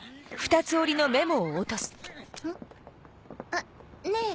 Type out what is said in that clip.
あっねぇ。